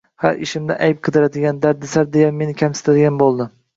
Har ishimdan ayb qidiradigan, dardisar deya meni kamsitadigan bo`ldi